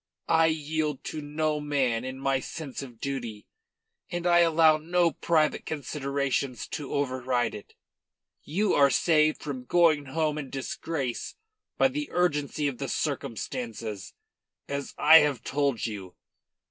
I yield to no man in my sense of duty, and I allow no private considerations to override it. You are saved from going home in disgrace by the urgency of the circumstances, as I have told you.